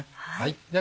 では